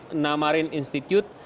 pernah marine institute